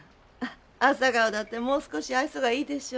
朝顔だってもう少し愛想がいいでしょうに。